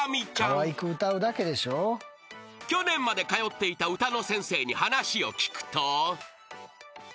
［去年まで通っていた歌の先生に話を聞くと］